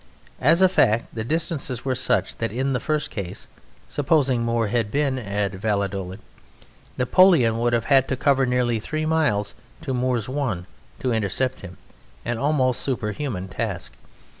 As a fact the distances were such that in the first case (supposing Moore had been at Valladolid) Napoleon would have had to cover nearly three miles to Moore's one to intercept him an almost superhuman task.